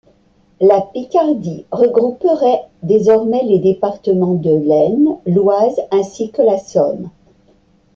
La Picardie regrouperait désormais les départements de l'Aisne, l'Oise ainsi que la Somme.